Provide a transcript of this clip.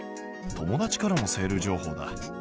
友達からもセール情報だ。